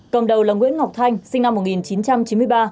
cầm đầu là nguyễn ngọc thanh sinh năm một nghìn chín trăm chín mươi ba